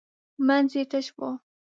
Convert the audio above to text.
منځ یې تش و .